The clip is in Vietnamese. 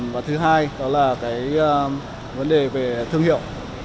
và thứ hai đó là cái vấn đề về thương hiệu